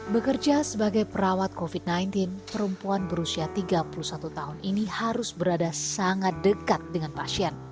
bekerja sebagai perawat covid sembilan belas perempuan berusia tiga puluh satu tahun ini harus berada sangat dekat dengan pasien